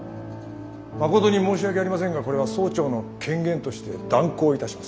まことに申し訳ありませんがこれは総長の権限として断行いたします。